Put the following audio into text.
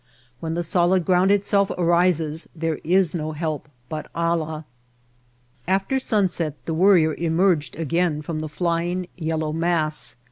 When the solid ground itself arises there is no help but Allah. After sunset the Worrier emerged again from the flying yellow mass.